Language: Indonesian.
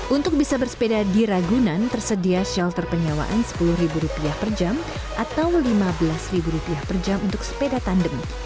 untuk bisa bersepeda di ragunan tersedia shelter penyewaan rp sepuluh per jam atau lima belas per jam untuk sepeda tandem